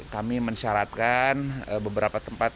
kami mensyaratkan beberapa tempat